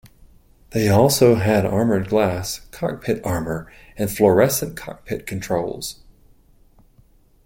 They also had armored glass, cockpit armor and fluorescent cockpit controls.